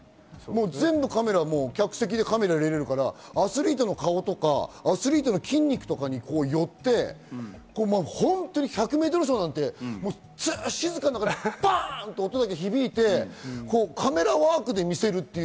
全部カメラ客席でカメラ入れられるからアスリートの顔とかアスリートの筋肉とかによって１００ｍ走なんて静かなところでパンっと音が響いてカメラワークで見せるという。